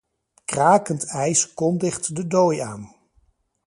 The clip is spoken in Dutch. Krakend ijs kondigt de dooi aan.